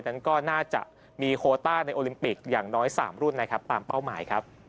นั่นก็น่าจะมีโคต้าในโอลิมปิกอย่างน้อย๓รุ่นตามเป้าหมาย